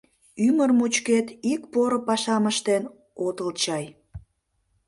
Ӱмыр мучкет ик поро пашам ыштен отыл чай.